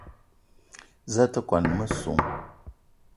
Za a te kwuan a messong?